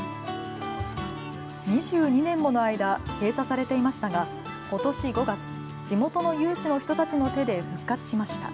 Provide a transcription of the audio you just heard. ２２年もの間、閉鎖されていましたがことし５月、地元の有志の人たちの手で復活しました。